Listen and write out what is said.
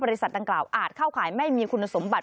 ดังกล่าวอาจเข้าข่ายไม่มีคุณสมบัติ